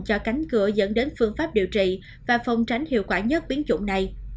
cho cánh cửa dẫn đến phương pháp điều trị và phòng tránh hiệu quả nhất biến chủng này